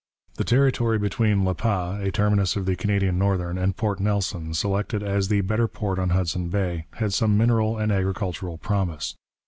The territory between Le Pas, a terminus of the Canadian Northern, and Port Nelson, selected as the better port on Hudson Bay, had some mineral and agricultural promise.